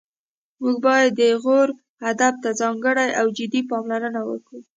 موږ باید د غور ادب ته ځانګړې او جدي پاملرنه وکړو